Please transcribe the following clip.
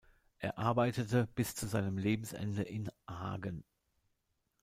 Er arbeitete bis zu seinem Lebensende in Hagen.